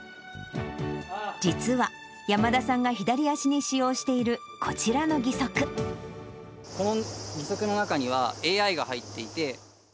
実は、山田さんが左足に使用してこの義足の中にはＡＩが入っていて。